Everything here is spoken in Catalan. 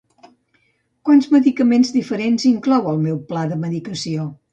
Quants medicaments diferents inclou el meu pla de medicació?